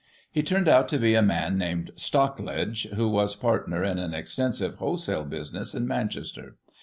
He turned out to be a man named Stockledge, who was partner in an extensive wholesale business in Manchester.